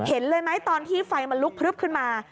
เห็นเลยไหมตอนที่ไฟมันลุกพลึบขึ้นมา